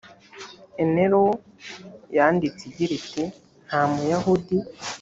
enelow yanditse igira iti nta muyahudi